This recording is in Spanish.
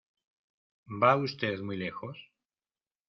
¿ va usted muy lejos?